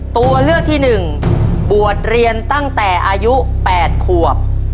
ตัวเลือกที่หนึ่งบวชเรียนตั้งแต่อายุแปดควบ